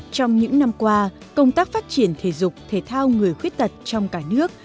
trong những năm qua công tác phát triển thể dục thể thao người khuyết tật trong cả nước